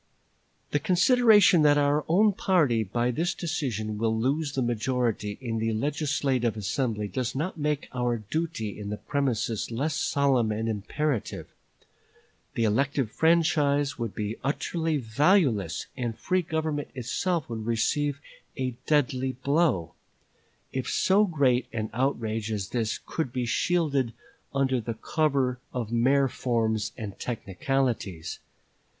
"The consideration that our own party by this decision will lose the majority in the legislative assembly does not make our duty in the premises less solemn and imperative. The elective franchise would be utterly valueless, and free government itself would receive a deadly blow, if so great an outrage as this could be shielded under the cover of mere forms and technicalities.